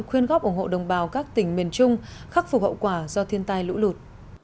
khuyên góp ủng hộ đồng bào các tỉnh miền trung khắc phục hậu quả do thiên tai lũ lụt